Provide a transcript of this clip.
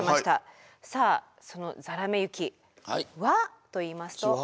さあそのざらめ雪はといいますと。